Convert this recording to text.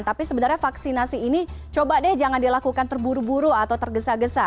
tapi sebenarnya vaksinasi ini coba deh jangan dilakukan terburu buru atau tergesa gesa